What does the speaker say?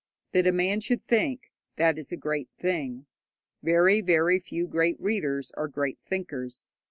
That a man should think, that is a great thing. Very, very few great readers are great thinkers.